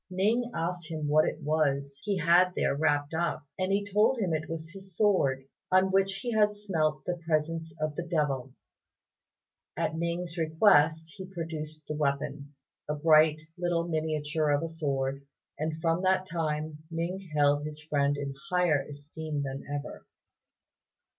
Ning asked him what it was he had there wrapped up, and he told him it was his sword, on which he had smelt the presence of the devil. At Ning's request he produced the weapon, a bright little miniature of a sword; and from that time Ning held his friend in higher esteem than ever.